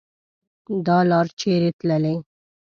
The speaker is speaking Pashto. دا لار چیري تللي